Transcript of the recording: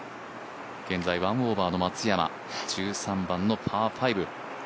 現在１オーバーの松山１３番のパー５。